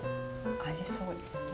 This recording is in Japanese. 合いそうですね。